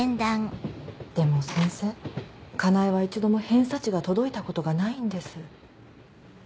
でも先生佳苗は一度も偏差値が届いたことがないんです。